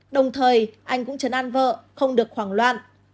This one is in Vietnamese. đồng thời anh cũng chấn an vợ không được hoảng loạn